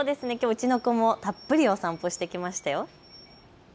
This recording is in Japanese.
うちの子もきょう、たっぷりお散歩してきましたよ。